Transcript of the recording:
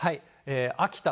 秋田